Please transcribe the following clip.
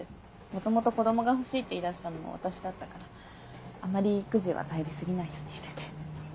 元々子供が欲しいって言い出したのも私だったからあまり育児は頼り過ぎないようにしてて。